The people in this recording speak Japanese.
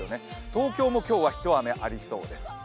東京も今日は、ひと雨ありそうです。